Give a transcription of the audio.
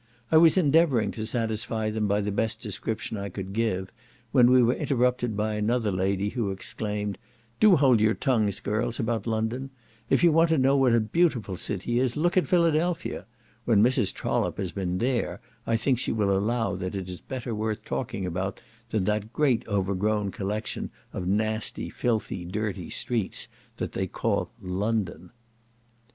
I was endeavouring to satisfy them by the best description I could give, when we were interrupted by another lady, who exclaimed, "Do hold your tongues, girls, about London; if you want to know what a beautiful city is, look at Philadelphia; when Mrs. Trollope has been there, I think she will allow that it is better worth talking about than that great overgrown collection of nasty, filthy, dirty streets, that they call London."